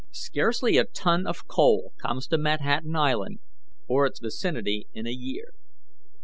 "Scarcely a ton of coal comes to Manhattan Island or its vicinity in a year.